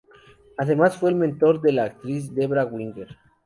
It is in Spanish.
Además fue el mentor de la actriz Debra Winger.